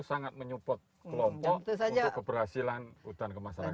sangat menyupport kelompok untuk keberhasilan hutan kemasyarakatan